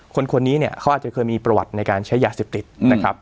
คนนี้เนี่ยเขาอาจจะเคยมีประวัติในการใช้ยาเสพติดนะครับ